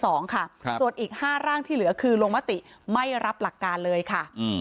ส่วนอีก๕ร่างที่เหลือคือลงมติไม่รับหลักการเลยค่ะ